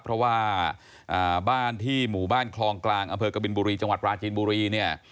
เพราะว่าบ้านที่หมู่บ้านคลองกลางอำเภอกบินบุรีจังหวัดปราจีนบุรีเนี่ย